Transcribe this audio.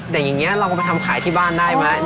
อย่างนี้ลองมาทำขายที่บ้านได้ไหม